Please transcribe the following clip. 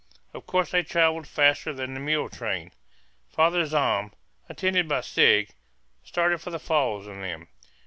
Of course they travelled faster than the mule train. Father Zahm, attended by Sigg, started for the falls in them.